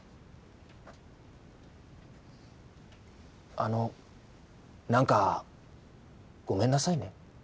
あの何かごめんなさいね。